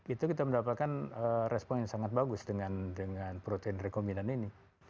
itu kita mendapatkan respon yang sangat bagus dengan protein rekombinan ini